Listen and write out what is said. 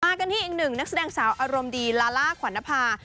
กันที่อีกหนึ่งนักแสดงสาวอารมณ์ดีลาล่าขวัญนภา